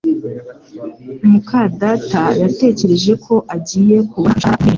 muka data yatekereje ko agiye kubona umushahara munini